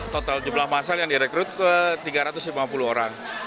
total jumlah masal yang direkrut ke tiga ratus lima puluh orang